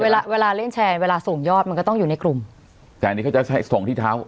เวลาเวลาเล่นแชร์เวลาส่งยอดมันก็ต้องอยู่ในกลุ่มแต่อันนี้เขาจะใช้ส่งที่เท้า